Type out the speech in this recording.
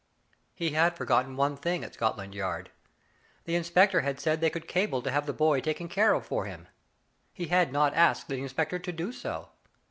He had forgotten one thing at Scotland Yard. The inspector had said they could cable to have the boy taken care of for him. He had not asked the inspector to do so.